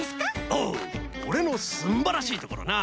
おうオレのすんばらしいところな。